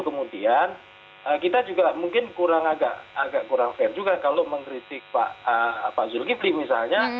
kemudian kita juga mungkin kurang agak kurang fair juga kalau mengkritik pak zulkifli misalnya